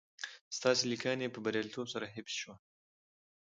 ستاسي لېنکه په برياليتوب سره حفظ شوه